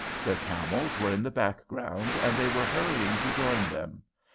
Their camels were in the background, and they were hurrying to join them.